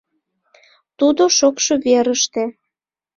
Тудо шокшо верыште.